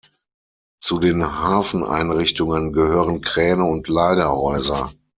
Zu den Hafeneinrichtungen gehören Kräne und Lagerhäuser.